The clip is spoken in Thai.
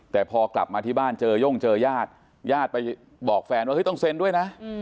แต่พอกลับมาที่บ้านเจอย่งเจอญาติญาติไปบอกแฟนว่าเฮ้ยต้องเซ็นด้วยนะ